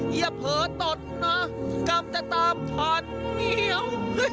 อย่าเผลอตดนะกลับจะตามทันเหมียว